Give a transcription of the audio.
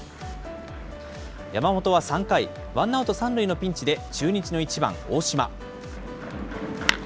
山本は３回、ワンアウト３塁のピンチで中日の１番大島。